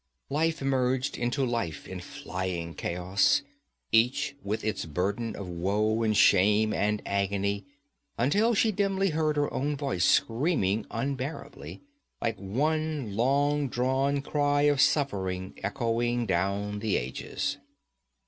Life merged into life in flying chaos, each with its burden of woe and shame and agony, until she dimly heard her own voice screaming unbearably, like one long drawn cry of suffering echoing down the ages.